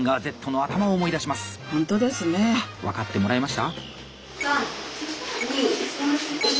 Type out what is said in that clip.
あ分かってもらえました？